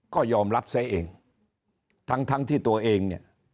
ก็ยอมรับซะเองทั้งทั้งที่ตัวเองเนี่ย